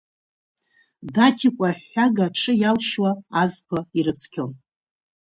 Даҭикәа аҳәҳәага аҽы иалшьуа азқәа ирыцқьон.